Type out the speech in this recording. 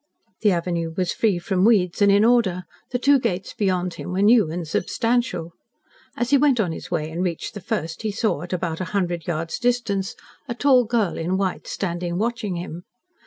The avenue was free from weeds and in order, the two gates beyond him were new and substantial. As he went on his way and reached the first, he saw at about a hundred yards distance a tall girl in white standing watching him.